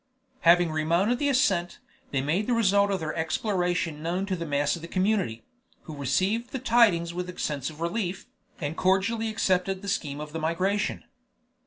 Having remounted the ascent, they made the result of their exploration known to the mass of the community, who received the tidings with a sense of relief, and cordially accepted the scheme of the migration.